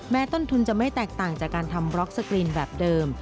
ต้นทุนจะไม่แตกต่างจากการทำบล็อกสกรีนแบบเดิม